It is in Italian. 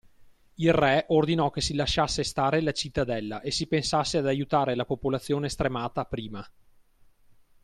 Il Re ordinò che si lasciasse stare la cittadella e si pensasse ad aiutare la popolazione stremata, prima.